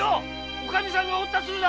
おかみさんが折った鶴だ！